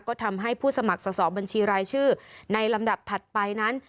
ก็ทำให้ผู้สมัครสอบบัญชีรายชื่อในลำดับถัดไปนั้น